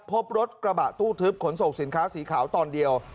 พบรถกระบะตู้ทึบขนส่งสินค้าสีขาวตอนเดียว